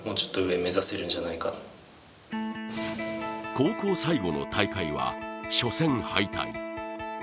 高校最後の大会は初戦敗退。